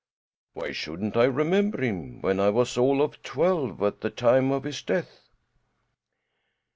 "Why shouldn't I remember him, when I was all of twelve at the time of his death?"